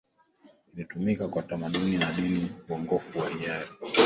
ilitumika kwa tamaduni na dini uongofu wa hiari